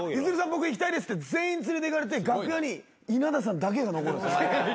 僕行きたいですって全員連れていかれて楽屋に稲田さんだけが残るんです。